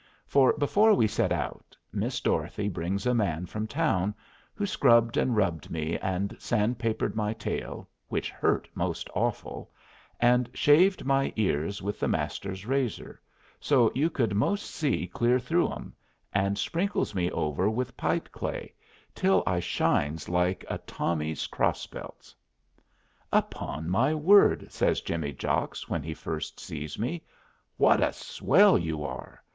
For before we set out Miss Dorothy brings a man from town who scrubbed and rubbed me, and sandpapered my tail, which hurt most awful, and shaved my ears with the Master's razor, so you could 'most see clear through 'em, and sprinkles me over with pipe clay, till I shines like a Tommy's cross belts. "Upon my word!" says Jimmy Jocks when he first sees me. "Wot a swell you are!